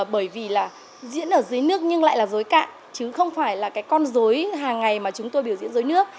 bởi vì là diễn ở dưới nước nhưng lại là dối cạn chứ không phải là cái con dối hàng ngày mà chúng tôi biểu diễn dưới nước